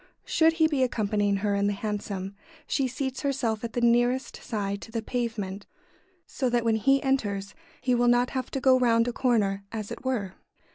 ] Should he be accompanying her in the hansom, she seats herself at the nearest side to the pavement, so that when he enters he will not have to go round a corner, as it were.